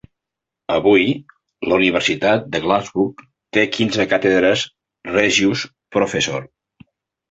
Avui, la Universitat de Glasgow té quinze càtedres Regius Professor.